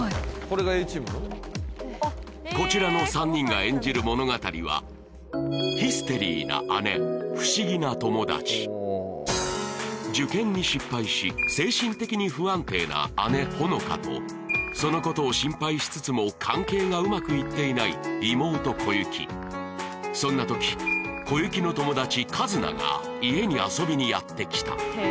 こちらの３人が演じる物語は受験に失敗し精神的に不安定な姉・帆花とそのことを心配しつつも関係がうまくいっていない妹・小雪そんな時小雪の友達・一菜が家に遊びにやってきた